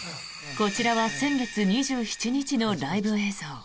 こちらは先月２７日のライブ映像。